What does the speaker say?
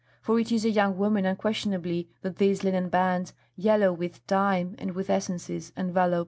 For it is a young woman unquestionably that these linen bands, yellow with time and with essences, envelop.